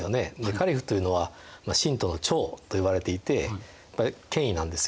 カリフっていうのは信徒の長と呼ばれていて権威なんですよ。